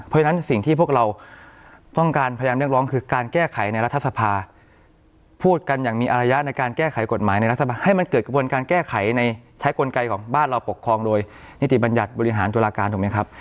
เพราะฉะนั้นสิ่งที่พวกเราต้องการพยายามเรียกร้องคือการแก้ไขในรัฐสภาพูดกันอย่างมีอารยะในการแก้ไขกฎหมายในรัฐบาลให้มันเกิดกระบวนการแก้ไขในใช้กลไกของบ้านเราปกครองโดยนิติบัญญัติบริหารตุลาการถูกไหมครับ